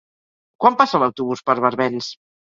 Quan passa l'autobús per Barbens?